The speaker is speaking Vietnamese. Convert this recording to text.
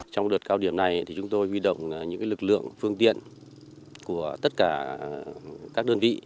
trong đợt cao điểm này chúng tôi huy động những lực lượng phương tiện của tất cả các đơn vị